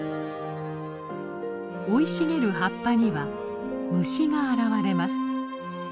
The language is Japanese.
生い茂る葉っぱには虫が現れます。